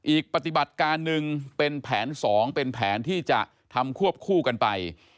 อีกปฏิบัติการหนึ่งเป็นแผน๒เป็นแผนที่จะทำควบคู่กันไป